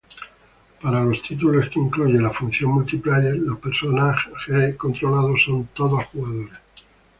Para los títulos que incluye la función multiplayer, los personajes controlados son todos jugadores.